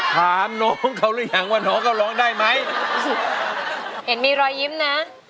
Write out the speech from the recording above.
ถามน้องเขาหรือยังว่าน้องเขาร้องได้ไหมเห็นมีรอยยิ้มนะ